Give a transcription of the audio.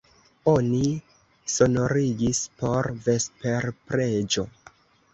Oni sonorigis por vesperpreĝo.